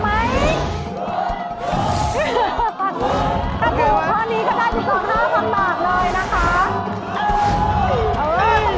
ถ้าถูกพอนี้ก็ได้ที่สองห้าพันบาทเลยนะคะ